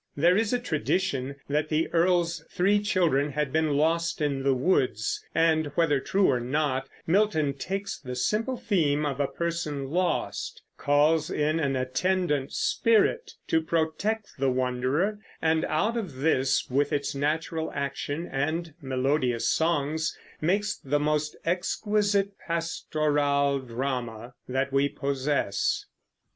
There is a tradition that the earl's three children had been lost in the woods, and, whether true or not, Milton takes the simple theme of a person lost, calls in an Attendant Spirit to protect the wanderer, and out of this, with its natural action and melodious songs, makes the most exquisite pastoral drama that we possess.